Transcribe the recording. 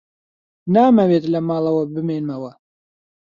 نامەوێت لە ماڵەوە بمێنمەوە.